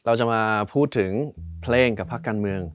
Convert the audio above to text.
เราจะมาพูดถึงเพลงกับภาคการเมือง